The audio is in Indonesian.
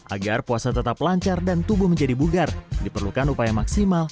agar puasa tetap lancar dan tubuh menjadi bugar diperlukan upaya maksimal